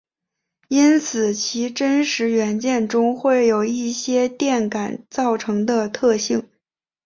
因此其真实元件中会有一些电感造成的特性。